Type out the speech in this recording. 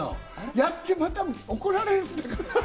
やって、また怒られるんだから。